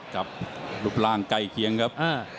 ครับรูปร่างใกล้เคียงครับ